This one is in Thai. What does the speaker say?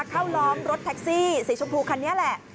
ล้อมรถแท็กซี่สีชมพูคันนี้แหละ